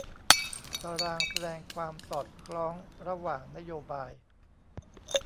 ตารางแสดงความสอดคล้องระหว่างนโยบาย